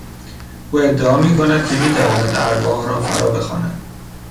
او ادعا میکند که میتواند ارواح را فرا بخواند.